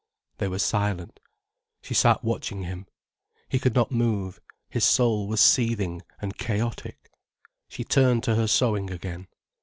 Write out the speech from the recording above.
They were silent. She sat watching him. He could not move, his soul was seething and chaotic. She turned to her sewing again.